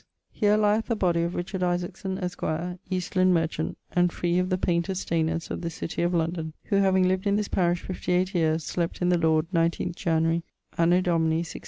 'Here lyeth the body of Richard Isaacson, esq., Eastland merchant, and free of the Paynters Stayners of this citie of London, who having lived in this parish 58 yeares, slept in the Lord 19 January, Anno Domini 1620.